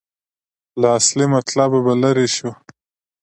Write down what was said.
له اصلي مطلبه به لرې شو.